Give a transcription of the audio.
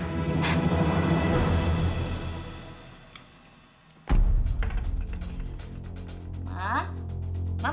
pasti mama kesel banget